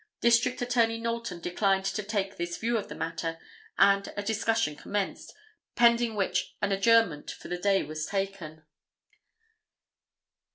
District Attorney Knowlton declined to take this view of the matter, and a discussion commenced, pending which an adjournment for the day was taken.